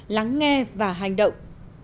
lắng nghe và hành động